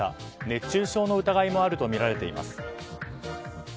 熱中症の疑いもあるとみられています。